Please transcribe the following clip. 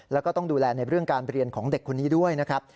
แล้วก็ต้องดูแลในเรื่องการเรียนของเด็กคนนี้ด้วยนะครับ